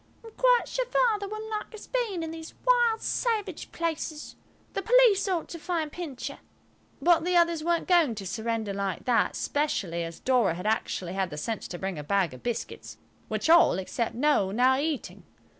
"I'm quite sure Father wouldn't like us being in these wild, savage places. The police ought to find Pincher." But the others weren't going to surrender like that, especially as Dora had actually had the sense to bring a bag of biscuits, which all, except Noël, were now eating.